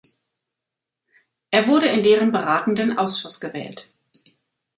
Er wurde in deren Beratenden Ausschuss gewählt.